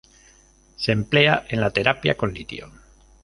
Se emplea en la terapia con litio.